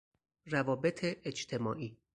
روابط اجتماعی